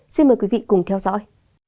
xin mời quý vị cùng theo dõi